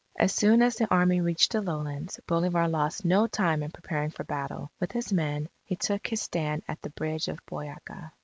As soon as the Army reached the lowlands, Bolivar lost no time in preparing for battle. With his men, he took his stand at the Bridge of Boyaca.